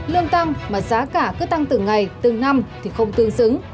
lương tăng mà giá cả cứ tăng từng ngày từng năm thì không tương xứng